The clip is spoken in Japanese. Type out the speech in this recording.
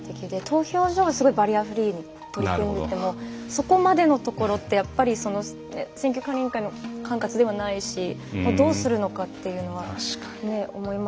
投票所がすごいバリアフリーに取り組んでてもそこまでのところってやっぱり選挙管理委員会の管轄ではないしどうするのかっていうのは思いましたし。